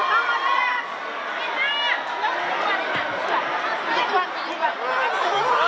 dan juga melihat status gc atau justice collaboration